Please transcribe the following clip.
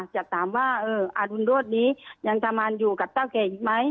จะถามว่าอรุณโรธนี้ยังทำงานอยู่กับเท่าแก่อีกไหม